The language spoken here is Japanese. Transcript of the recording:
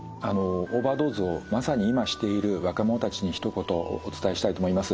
オーバードーズをまさに今している若者たちにひと言お伝えしたいと思います。